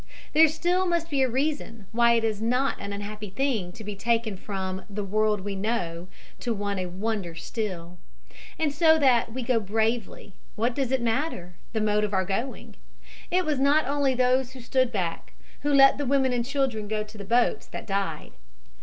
There still must be a reason why it is not an unhappy thing to be taken from "the world we know to one a wonder still," and so that we go bravely, what does it matter, the mode of our going? It was not only those who stood back, who let the women and children go to the boats, that died.